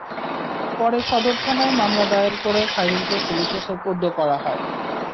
পরে সদর থানায় মামলা দায়ের করে খাইরুলকে পুলিশে সোপর্দ করা হয়।